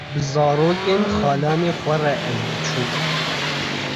bi zarokên xalanê xwe re ez diçûm